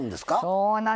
そうなんです。